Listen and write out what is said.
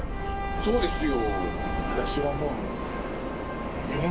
そうですよ。